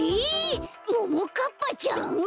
ももかっぱちゃん？